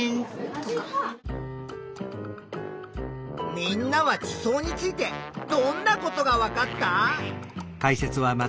みんなは地層についてどんなことがわかった？